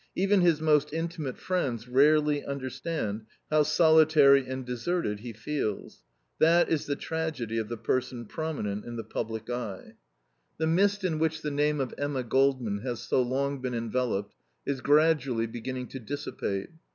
Even his most intimate friends rarely understand how solitary and deserted he feels. That is the tragedy of the person prominent in the public eye. The mist in which the name of Emma Goldman has so long been enveloped is gradually beginning to dissipate.